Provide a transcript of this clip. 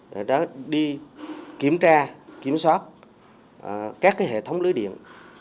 để đi kiểm tra kiểm soát các hệ thống lưới điện